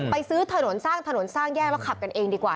ซื้อถนนสร้างถนนสร้างแยกแล้วขับกันเองดีกว่า